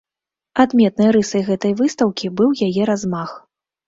Адметнай рысай гэтай выстаўкі быў яе размах.